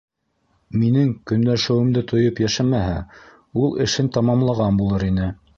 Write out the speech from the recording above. Минең көнләшеүемде тойоп йәшәмәһә, ул эшен тамамлаған булыр ине!